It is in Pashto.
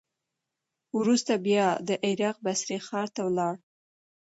وروسته بیا د عراق بصرې ښار ته ولاړ.